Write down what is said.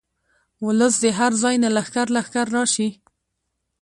اولس دې هر ځاي نه لښکر لښکر راشي.